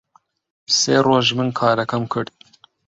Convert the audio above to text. سێ ڕۆژ من کارەکەم کرد